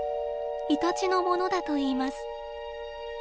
イタチのものだといいます。